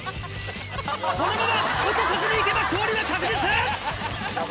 このまま落とさずにいけば勝利は確実！